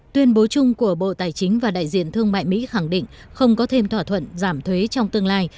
tuyên bố chung của bộ tài chính và đại diện thương mại mỹ khẳng định không có thêm thỏa thuận giảm thuế trong tương lai